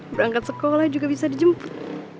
berangkat sekolah juga bisa dijemput